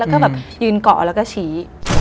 แล้วก็แบบยืนเกาะแล้วก็ชี้